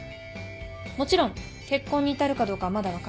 もちろん結婚に至るかどうかはまだ分からない。